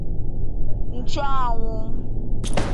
nchụ anwụ